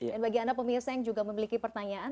dan bagi anda pemirsa yang juga memiliki pertanyaan